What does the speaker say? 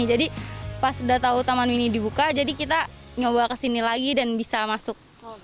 jadi pas sudah tahu taman ini dibuka jadi kita nyoba ke sini lagi dan bisa masuk